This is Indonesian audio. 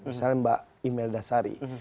misalnya mbak imel dasari